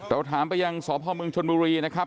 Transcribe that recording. เราถามไปยังสพเมืองชนบุรีนะครับ